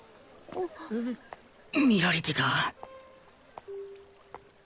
見られてた